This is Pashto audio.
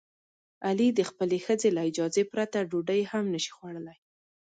علي د خپلې ښځې له اجازې پرته ډوډۍ هم نشي خوړلی.